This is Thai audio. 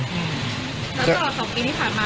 แล้วตลอด๒ปีที่ผ่านมา